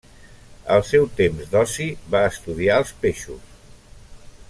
Al seu temps d'oci va estudiar els peixos.